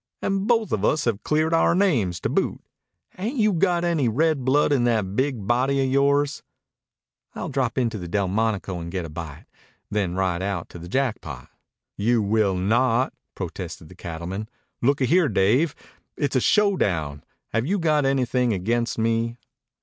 And both of us have cleared our names to boot. Ain't you got any red blood in that big body of yore's?" "I'll drop in to the Delmonico and get a bite, then ride out to the Jackpot." "You will not!" protested the cattleman. "Looky here, Dave. It's a showdown. Have you got anything against me?"